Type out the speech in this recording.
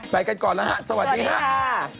ไปกันก่อนแล้วฮะสวัสดีฮะสวัสดีค่ะ